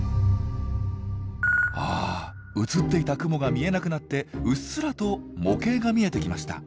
あ映っていた雲が見えなくなってうっすらと模型が見えてきました。